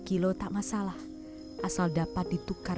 memutuskan untuk dinarkan